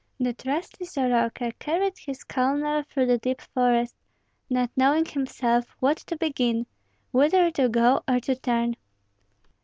The trusty Soroka carried his colonel through the deep forest, not knowing himself what to begin, whither to go or to turn.